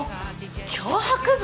脅迫文！？